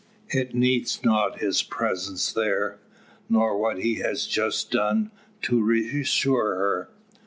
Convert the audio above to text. It needs not his presence there, nor what he has just done, to reassure her.